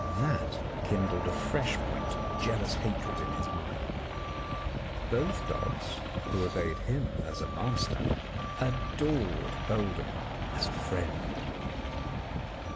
That kindled a fresh point of jealous hatred in his mind; both dogs, who obeyed him as a master, adored Oldham as a friend.